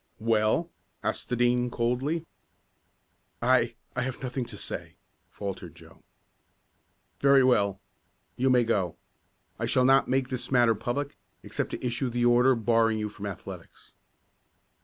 "Well?" asked the Dean, coldly. "I I have nothing to say," faltered Joe. "Very well. You may go. I shall not make this matter public, except to issue the order barring you from athletics."